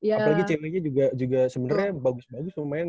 apalagi cmeg juga sebenernya bagus bagus lumayan ya kan